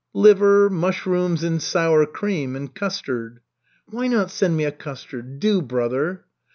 "Liver, mushrooms in sour cream, and custard." "Why not send me a custard? Do, brother."